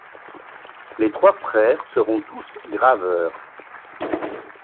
Les trois frères seront tous graveurs.